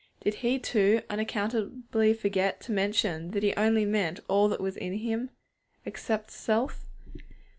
Did he, too, unaccountably forget to mention that he only meant all that was within him, except self?